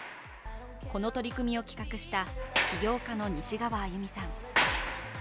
この取り組みを企画した起業家の西側愛弓さん。